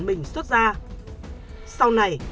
mình xuất ra sau này